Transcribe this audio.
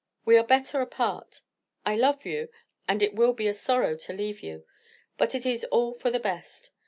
We are better apart. I love you, and it will be a sorrow to leave you; but it is all for the best.